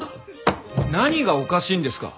何がおかしいんですか！